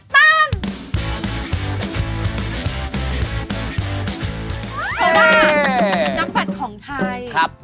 เพราะว่านักฝัดของไทยครับผม